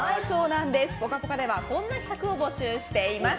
「ぽかぽか」ではこんな企画を募集をしております。